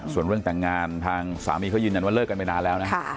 ส่วนเรื่องแต่งงานทางสามีเขายืนยันว่าเลิกกันไปนานแล้วนะ